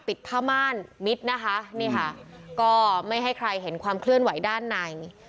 ผ้าม่านมิดนะคะนี่ค่ะก็ไม่ให้ใครเห็นความเคลื่อนไหวด้านใน